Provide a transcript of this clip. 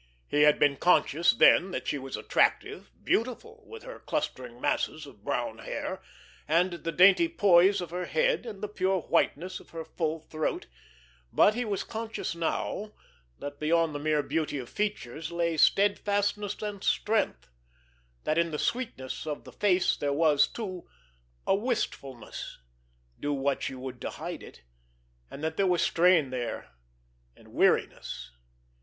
He had been conscious then that she was attractive, beautiful, with her clustering masses of brown hair, and the dainty poise of her head, and the pure whiteness of her full throat; but he was conscious now that beyond the mere beauty of features lay steadfastness and strength, that in the sweetness of the face there was, too, a wistfulness, do what she would to hide it, and that there was strain there, and weariness.